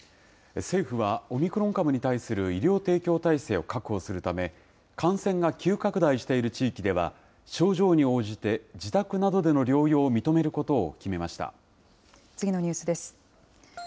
政府は、オミクロン株に対する医療提供体制を確保するため、感染が急拡大している地域では、症状に応じて、自宅などでの療養を認めることを次のニュースです。